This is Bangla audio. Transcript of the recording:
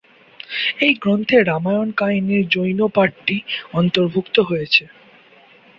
এই গ্রন্থে রামায়ণ-কাহিনির জৈন পাঠটি অন্তর্ভুক্ত হয়েছে।